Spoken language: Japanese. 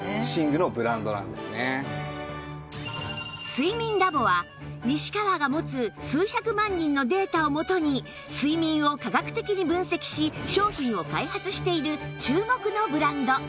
睡眠 Ｌａｂｏ は西川が持つ数百万人のデータを元に睡眠を科学的に分析し商品を開発している注目のブランド